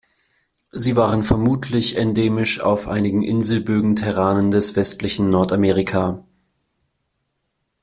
Sie waren vermutlich endemisch auf einigen Inselbögen-Terranen des westlichen Nordamerika.